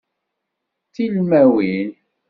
D tilmawin.